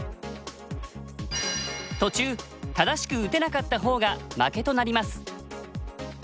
途中正しく打てなかった方が負けとなります。